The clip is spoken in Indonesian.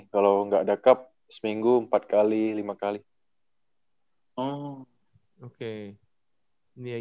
kalau enggak ada kap seminggu empat kali lima kali